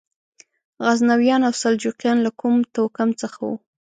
غزنویان او سلجوقیان له کوم توکم څخه وو؟